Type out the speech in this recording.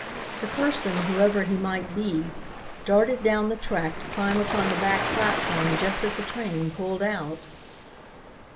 The person, whoever he might be, darted down the track to climb upon the back platform just as the train pulled out.